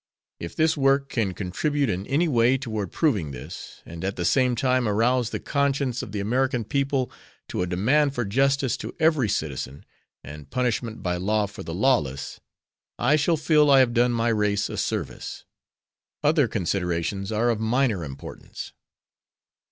If this work can contribute in any way toward proving this, and at the same time arouse the conscience of the American people to a demand for justice to every citizen, and punishment by law for the lawless, I shall feel I have done my race a service. Other considerations are of minor importance.